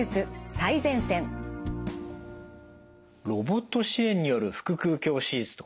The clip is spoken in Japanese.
ロボット支援による腹腔鏡手術って